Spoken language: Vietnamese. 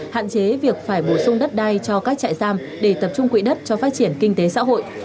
hạn chế việc phải bổ sung đất đai cho các trại giam để tập trung quỹ đất cho phát triển kinh tế xã hội